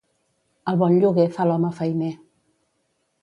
El bon lloguer fa l'home feiner.